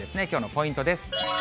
きょうのポイントです。